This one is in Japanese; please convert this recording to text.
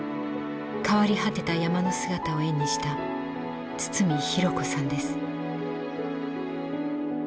変わり果てた山の姿を絵にした堤寛子さんです。